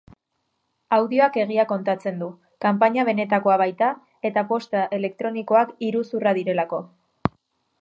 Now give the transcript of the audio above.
Audioak egia kontatzen du, kanpaina benetakoa baita eta posta elektronikoak iruzurra direlako.